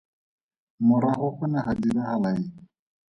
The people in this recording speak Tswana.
Morago go ne ga diragala eng?